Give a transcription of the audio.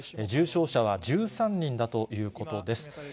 重症者は１３人だということです。